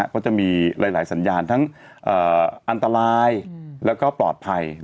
ก็จะมีหลายสัญญาณทั้งอันตรายแล้วก็ปลอดภัย